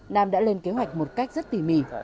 nam đã lên kế hoạch một cách rất tỉ mỉ